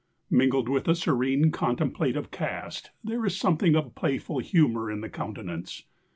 Mingled with a serene contemplative cast, there is something of playful humour in the countenance.